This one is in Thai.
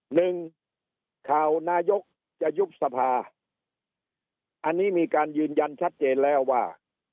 หนึ่งข่าวนายกจะยุบสภาอันนี้มีการยืนยันชัดเจนแล้วว่า